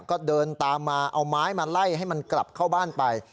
ก็เดินตามมาเอาไม้มาไล่ให้มันกลับเข้าบ้านไป